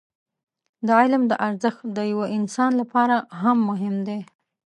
د علم دا ارزښت د يوه انسان لپاره هم مهم دی.